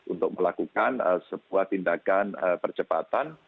untuk melakukan sebuah tindakan percepatan